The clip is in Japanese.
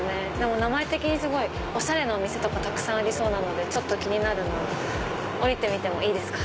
名前的におしゃれなお店とかたくさんありそうなのでちょっと気になるので降りてみてもいいですか？